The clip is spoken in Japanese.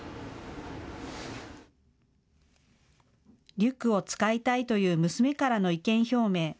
リュックを使いたいという娘からの意見表明。